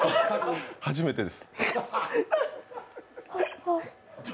初めてです。